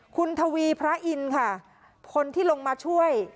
คุณทวีพระอินทร์ค่ะคนที่ลงมาช่วย